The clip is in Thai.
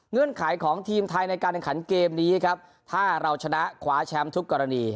ไขของทีมไทยในการแข่งขันเกมนี้ครับถ้าเราชนะคว้าแชมป์ทุกกรณี